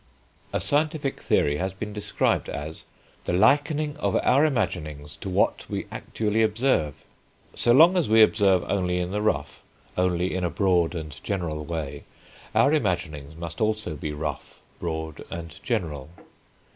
A scientific theory has been described as "the likening of our imaginings to what we actually observe." So long as we observe only in the rough, only in a broad and general way, our imaginings must also be rough, broad, and general.